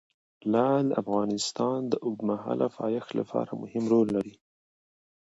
لعل د افغانستان د اوږدمهاله پایښت لپاره مهم رول لري.